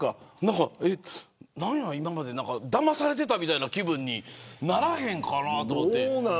何や、今までだまされていたみたいな気分にならへんかなと思って。